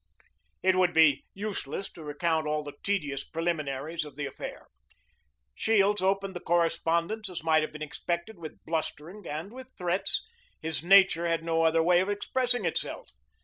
It would be useless to recount all the tedious preliminaries of the affair. Shields opened the correspondence, as might have been expected, with blustering and with threats; his nature had no other way of expressing itself.